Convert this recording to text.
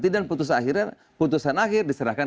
dan putusan akhirnya diserahkan